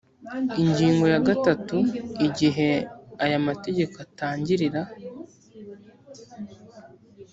ingingo ya gatatu igihe aya mategeko atangirira